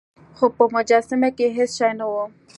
خو په مجسمه کې هیڅ شی نه و.